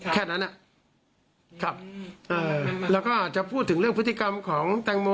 แค่นั้นอ่ะครับแล้วก็จะพูดถึงเรื่องพฤติกรรมของแตงโม